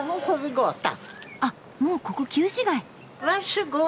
あっもうここ旧市街！